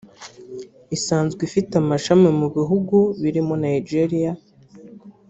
isanzwe ifite amashami mu bihugu birimo Nigeria